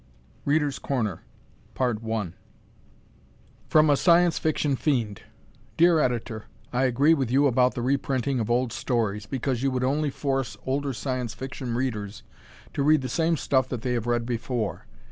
Reader's Corner From a Science Fiction "Fiend" Dear Editor: I agree with you about the reprinting of old stories, because you would only force older Science Fiction readers to read the same stuff that they have read before.